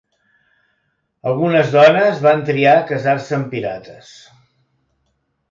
Algunes dones van triar casar-se amb pirates.